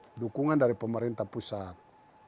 ada dukungan dari pemerintah pusat